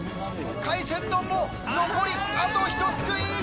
海鮮丼も残りあとひとすくい。